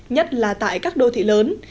nhất là tại các đô thị lớn